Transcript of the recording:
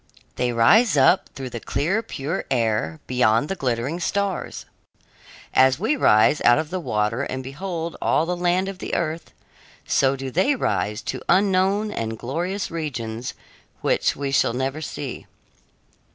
They rise up through the clear, pure air, beyond the glittering stars. As we rise out of the water and behold all the land of the earth, so do they rise to unknown and glorious regions which we shall never see."